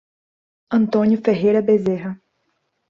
Antônio Ferreira Bezerra